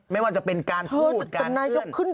ไม่ว่าจะเป็นการพูดการเคลื่อน